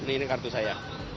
ini kartu saya